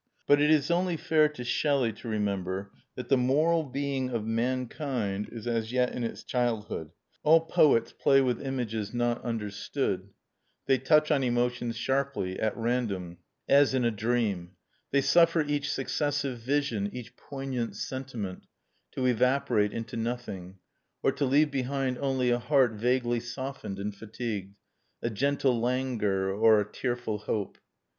But it is only fair to Shelley to remember that the moral being of mankind is as yet in its childhood; all poets play with images not understood; they touch on emotions sharply, at random, as in a dream; they suffer each successive vision, each poignant sentiment, to evaporate into nothing, or to leave behind only a heart vaguely softened and fatigued, a gentle languor, or a tearful hope.